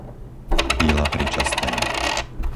Píla pri Častej